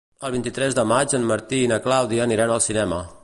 El vint-i-tres de maig en Martí i na Clàudia aniran al cinema.